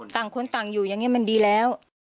ต่างคนต่างอยู่อย่างนี้มันดีแล้ว